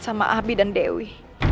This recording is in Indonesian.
sama abi dan dewi